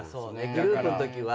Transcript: グループのときは。